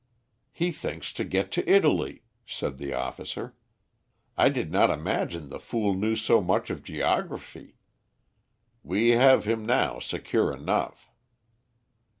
"He thinks to get to Italy," said the officer. "I did not imagine the fool knew so much of geography. We have him now secure enough."